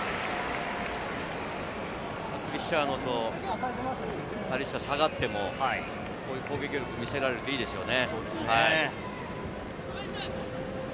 クリスティアーノとタリスカ下がっても、こういう攻撃力を見せられるといいですよね。